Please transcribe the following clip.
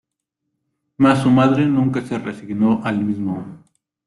Mas su madre nunca se resignó al mismo.